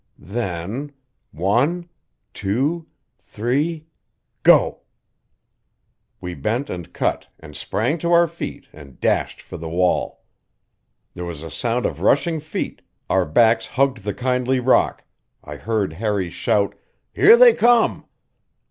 "Then one, two, three go!" We bent and cut and sprang to our feet, and dashed for the wall. There was a sound of rushing feet our backs hugged the kindly rock I heard Harry's shout, "Here they come!"